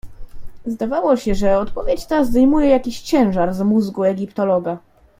"Zdawało się, że odpowiedź ta zdejmuje jakiś ciężar z mózgu egiptologa."